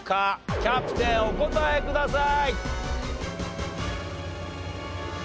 キャプテンお答えください。